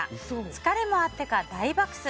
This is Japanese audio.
疲れもあってか、大爆睡。